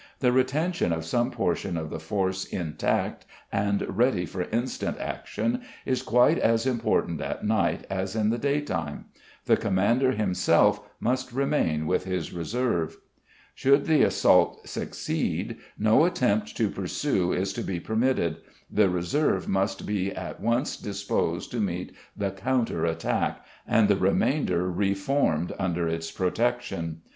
The retention of some portion of the force intact and ready for instant action is quite as important at night as in the daytime. The commander himself must remain with his reserve. Should the assault succeed, no attempt to pursue is to be permitted; the reserve must be at once disposed to meet the counter attack, and the remainder reformed under its protection.